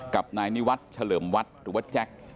กับนายนิวัฒน์เฉลิมวัดหรือว่าแจ็ค